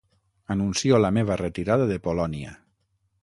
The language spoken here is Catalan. Anuncio la meva retirada de ‘Polònia’.